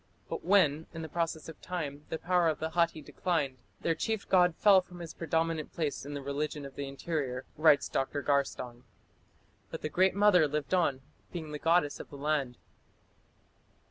But when, in the process of time, the power of the Hatti declined, their chief god "fell... from his predominant place in the religion of the interior", writes Dr. Garstang. "But the Great Mother lived on, being the goddess of the land."